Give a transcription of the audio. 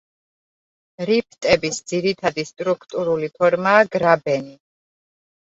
რიფტების ძირითადი სტრუქტურული ფორმაა გრაბენი.